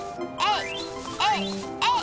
えい！